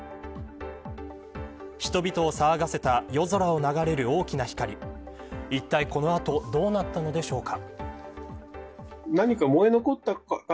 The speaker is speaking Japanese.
人々を騒がせた夜空を流れる大きな光いったいこの後どうなったのでしょうか。